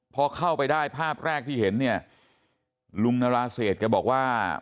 พอเข้าไปได้ภาพแรกที่เห็นเนี่ยลุงนราเศษแกบอกว่า